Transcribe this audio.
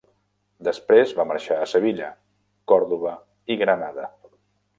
Després va marxar a Sevilla, Còrdova i Granada.